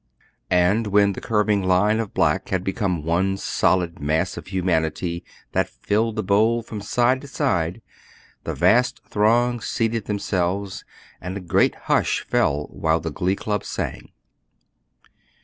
And when the curving line of black had become one solid mass of humanity that filled the bowl from side to side, the vast throng seated themselves, and a great hush fell while the Glee Club sang.